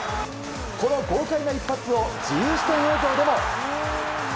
この豪快な一発を自由視点映像でも。